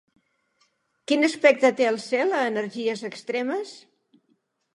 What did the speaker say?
Quin aspecte té el cel a energies extremes?